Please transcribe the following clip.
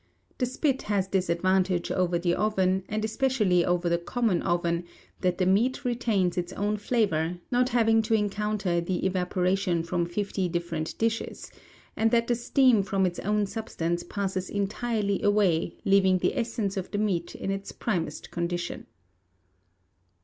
The Spit has this advantage over the Oven, and especially over the common oven, that the meat retains its own flavour, not having to encounter the evaporation from fifty different dishes, and that the steam from its own substance passes entirely away, leaving the essence of the meat in its primest condition.